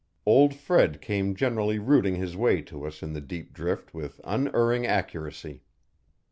Old Fred came generally rooting his way to us in the deep drift with unerring accuracy.